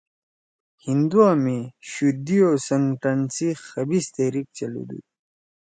ہندُوا می شُدھی او سنگھٹن سی خبیث تحریک چلُودُود